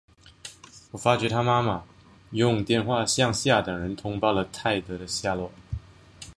他发觉他妈妈用电话向下等人通报了泰德的下落。